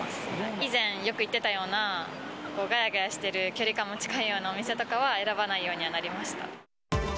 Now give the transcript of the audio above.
以前、よく行ってたような、がやがやしてる、距離感の近いようなお店とかは選ばないようにはなりました。